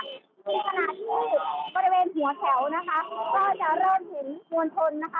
ในขณะที่บริเวณหัวแถวนะคะก็จะเริ่มเห็นมวลชนนะคะ